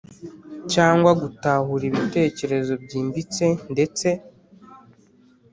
cyangwa gutahura ibitekerezo byimbitse ndetse